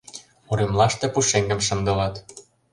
Уремлаште пушеҥгым шындылыт.